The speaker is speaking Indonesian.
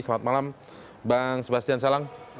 selamat malam bang sebastian salang